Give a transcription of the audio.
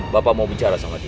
bapak mau bicara sama dia